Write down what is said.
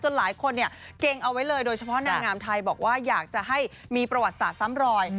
หลายคนเนี่ยเกรงเอาไว้เลยโดยเฉพาะนางงามไทยบอกว่าอยากจะให้มีประวัติศาสตร์ซ้ำรอย